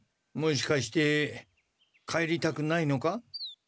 もしかして帰りたくないのか？